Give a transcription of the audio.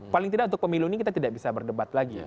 paling tidak untuk pemilu ini kita tidak bisa berdebat lagi